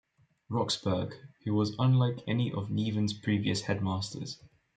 Roxburgh, who was unlike any of Niven's previous headmasters.